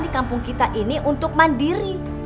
di kampung kita ini untuk mandiri